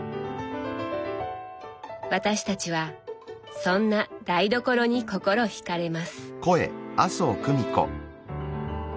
私たちはそんな「台所」に心惹かれます。